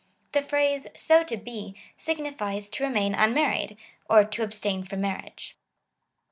The phrase so to be, signifies to remain unmarried, or to abstain from marriage.